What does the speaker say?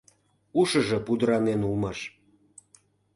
Ушыжо пудыранен улмаш.